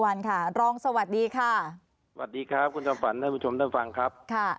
วันหลากต้องมานะค่ะ